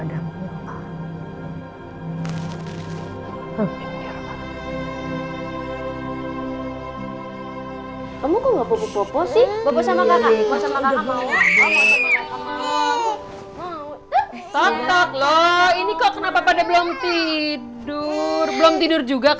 amin ya allah